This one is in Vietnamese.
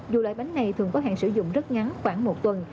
dù loại bánh này thường có hàng sử dụng rất ngắn khoảng một tuần